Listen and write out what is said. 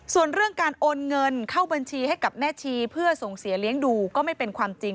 ส่วนเรื่องการโอนเงินเข้าบัญชีให้กับแม่ชีเพื่อส่งเสียเลี้ยงดูก็ไม่เป็นความจริง